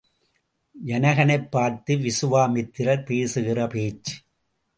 ஜனகனைப் பார்த்து விசுவாமித்திரர் பேசுகிறபேச்சு.